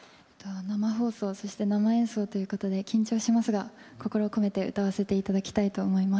生放送、生演奏ということで緊張しますが心を込めて歌わせていただきたいと思います。